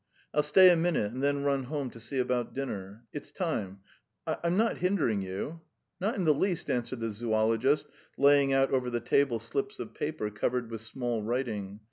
"I'll stay a minute and then run home to see about dinner. It's time. ... I'm not hindering you?" "Not in the least," answered the zoologist, laying out over the table slips of paper covered with small writing.